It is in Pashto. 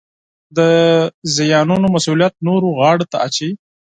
د زیانونو مسوولیت نورو غاړې ته اچوي